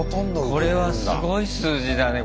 これはすごい数字だね。